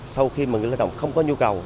sau khi người lao động không có nhu cầu